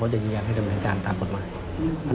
เขาจะยืนยังให้ดำเนินการตามปฏิบัติหมาย